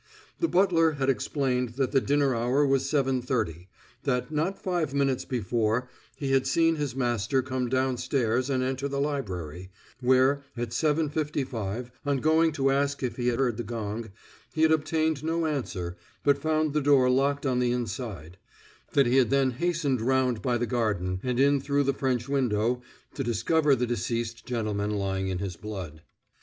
The butler had explained that the dinner hour was seven thirty; that, not five minutes before, he had seen his master come down stairs and enter the library, where, at seven fifty five, on going to ask if he had heard the gong, he had obtained no answer but found the door locked on the inside; that he had then hastened round by the garden, and in through the French window, to discover the deceased gentleman lying in his blood.